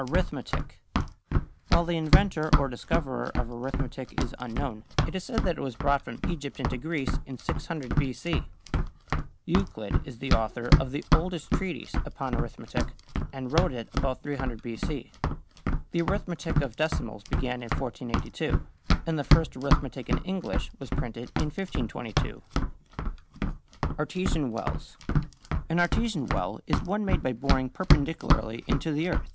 =Arithmetic.= While the inventor or discoverer of arithmetic is unknown, it is said that it was brought from Egypt into Greece in 600 B. C. Euclid is the author of the oldest treatise upon arithmetic and wrote it about 300 B. C. The arithmetic of decimals began in 1482, and the first arithmetic in English was printed in 1522. =Artesian Wells.= An artesian well is one made by boring perpendicularly into the earth.